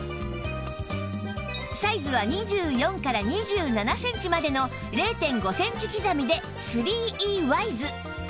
サイズは２４から２７センチまでの ０．５ センチ刻みで ３Ｅ ワイズ